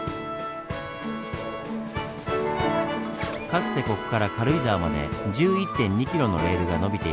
かつてここから軽井沢まで１１．２キロのレールが延びていました。